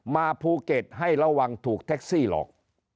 มาภูเก็ตให้ระวังถูกแท็กซี่หลอก